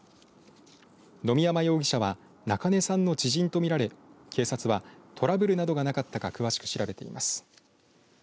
野見山容疑者は中根さんの知人とみられ警察はトラブルなどがなかったか詳しく調べています。